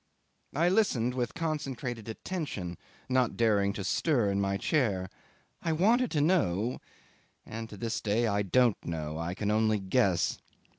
'I listened with concentrated attention, not daring to stir in my chair; I wanted to know and to this day I don't know, I can only guess.